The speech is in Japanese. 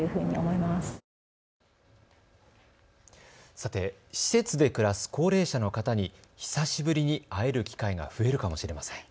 さて、施設で暮らす高齢者の方に久しぶりに会える機会が増えるかもしれません。